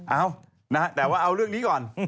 เอานะแต่ว่าเอาเรื่องนี้ก่อน